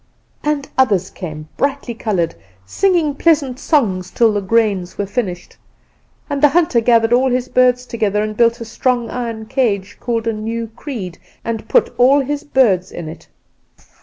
"And others came, brightly coloured, singing pleasant songs, till all the grains were finished. And the hunter gathered all his birds together, and built a strong iron cage called a new creed, and put all his birds in it.